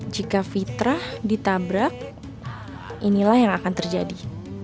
jika fitrah ditabrak inilah yang akan terjadi